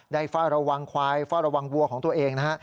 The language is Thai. เฝ้าระวังควายเฝ้าระวังวัวของตัวเองนะฮะ